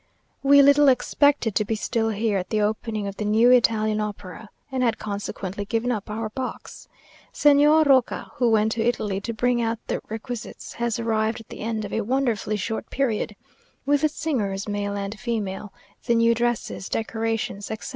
We little expected to be still here at the opening of the new Italian opera, and had consequently given up our box. Señor Roca, who went to Italy to bring out the requisites, has arrived at the end of a wonderfully short period, with the singers, male and female, the new dresses, decorations, etc.